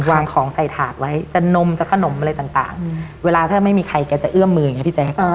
วางของใส่ถาดไว้จะนมจะขนมอะไรต่างเวลาถ้าไม่มีใครแกจะเอื้อมมืออย่างนี้พี่แจ๊ค